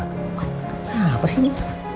apa sih ini